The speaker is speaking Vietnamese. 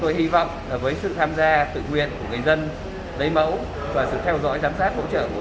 tôi hy vọng với sự tham gia tự nguyện của người dân lấy mẫu và sự theo dõi giám sát hỗ trợ của